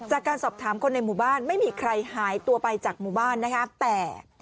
จากการสอบถามคนในหมู่บ้านไม่มีใครหายตัวไปจากหมู่บ้านนะคะแต่